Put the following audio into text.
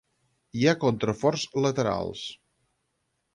Hi ha contraforts laterals.